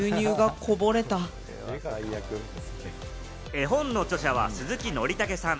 絵本の著者は鈴木のりたけさん。